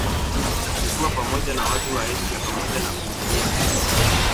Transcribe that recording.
ekuwa pamoja na watu wa asia pamoja na kuhudhuria mikutano